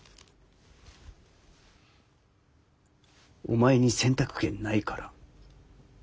お前に選択権ないから。